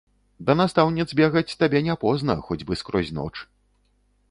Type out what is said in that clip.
Да настаўніц бегаць табе не позна, хоць бы скрозь ноч.